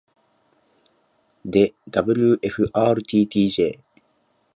で ｗｆｒｔｔｊ